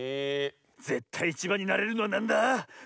ぜったいいちばんになれるのはなんだ？